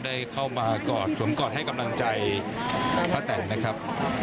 ได้เข้ามากอดสวมกอดให้กำลังใจป้าแตนนะครับ